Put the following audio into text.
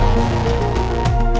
tidak ada yang bisa dikawal